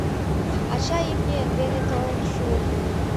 Ача имне дене толын шуо.